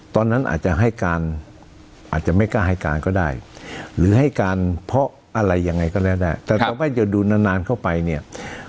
ตอนนั้นอาจจะให้การอาจจะไม่กล้าให้การก็ได้